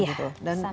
iya sampai ke pelosok